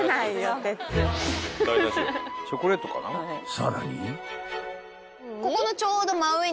［さらに］